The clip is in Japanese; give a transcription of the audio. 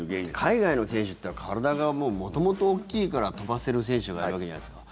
海外の選手って体がもう元々大きいから飛ばせる選手がいるわけじゃないですか。